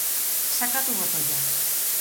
Sakatu botoia.